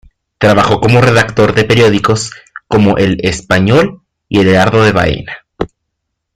Trabajó como redactor de periódicos como "El Español" y "El Heraldo de Baena".